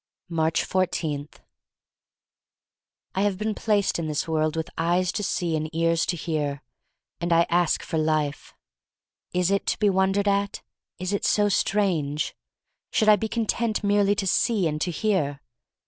403 Aatcb 14* I HAVE been placed in this world with eyes to see and ears to hear, and I ask for Life. Is it to be won dered at? Is it so strange? Should I be content merely to see and to hear?